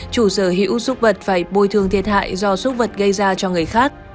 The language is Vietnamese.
chủ sở hữu xúc vật phải bồi thường thiệt hại do xúc vật gây ra cho người khác